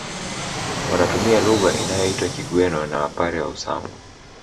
Wanatumia lugha inayoitwa Kigweno na Wapare wa Usangu